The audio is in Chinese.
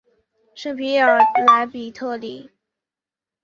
圣皮耶尔莱比特里。